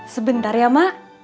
sebentar ya mak